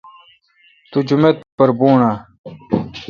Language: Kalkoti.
تو جومت پر بھون اؘ۔